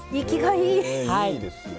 いいですね。